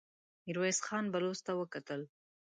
ميرويس خان بلوڅ ته وکتل.